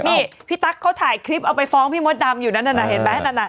นี่พี่ตั๊กเขาถ่ายคลิปเอาไปฟ้องพี่มดดำอยู่นั่นน่ะเห็นไหมนั่นน่ะ